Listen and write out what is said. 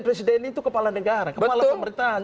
presiden itu kepala negara kepala pemerintahan